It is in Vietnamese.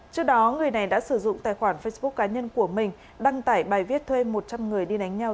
trước đó người này đã sử dụng tài khoản facebook cá nhân của mình đăng tải bài viết thuê một trăm linh người đi đánh nhau